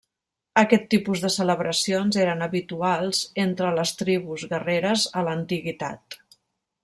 Aquest tipus de celebracions eren habituals entre les tribus guerreres a l'antiguitat.